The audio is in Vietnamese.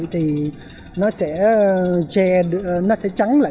thì nó sẽ trắng lại